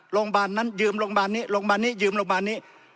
โรงพยาบาลนั้นยืมโรงพยาบาลนี้โรงพยาบาลนี้ยืมโรงพยาบาลนี้